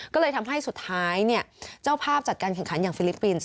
ก็เลยทำให้สุดท้ายเจ้าภาพจัดการแข่งขันอย่างฟิลิปปินส์